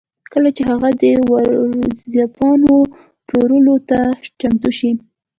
کله چې هغه د ورځپاڼو پلورلو ته چمتو شي